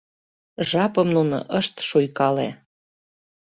Жапым нуно ышт шуйкале